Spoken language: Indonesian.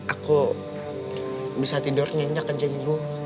aku bisa tidur nyenyak kan jeng ibu